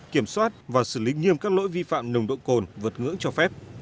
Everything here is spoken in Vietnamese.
kiểm soát và xử lý nghiêm các lỗi vi phạm nồng độ cồn vượt ngưỡng cho phép